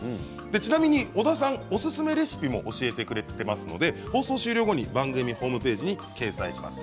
ちなみに小田さんおすすめレシピも教えてくれていますので放送終了後、番組ホームページに掲載します。